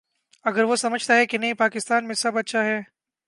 اگر وہ سمجھتا ہے کہ نئے پاکستان میں سب اچھا ہے۔